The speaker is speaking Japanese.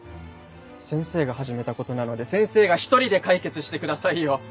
先生が始めたことなので先生が一人で解決してくださいよ！